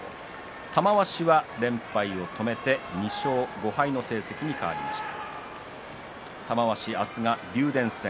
玉鷲は連敗を止めて２勝５敗の成績に変わりました。